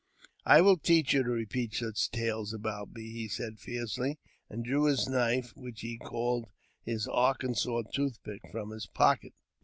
" I will teach you to repeat such tales about me," he said, fiercely, and drew his knife, which he called his Arkansas tooth pick, from his pocket.